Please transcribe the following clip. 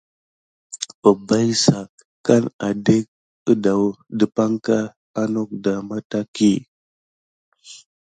Əbba i sa kan adake wudaya depanka andoko mataki.